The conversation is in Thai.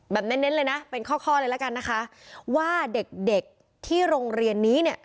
แบบเน้นเลยนะเป็นข้อเลยละกันนะคะว่าเด็กที่โรงเรียนนี้เนี้ย